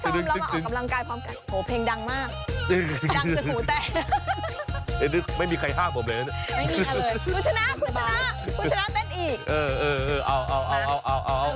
ทุกผู้ชมเรามาออกกำลังกายพร้อมกัน